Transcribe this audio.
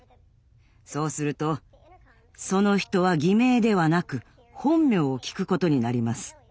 そうするとその人は偽名ではなく本名を聞くことになります。